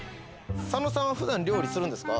佐野さんは普段料理するんですか？